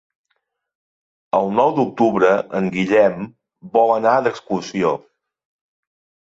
El nou d'octubre en Guillem vol anar d'excursió.